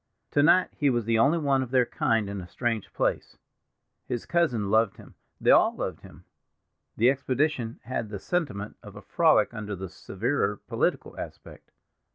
To night he was the only one of their kind in a strange place—his cousin loved him, they all loved him. The expedition had the sentiment of a frolic under the severer political aspect.